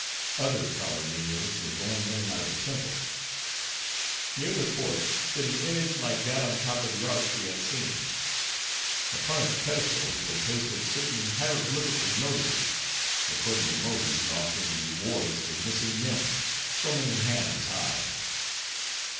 Other collared menials were going in and out of the temple. Near the porch, stood an image like that on the top of the arch we had seen. Upon its pedestal, were pasted certain hieroglyphical notices; according to Mohi, offering rewards for missing men, so many hands high.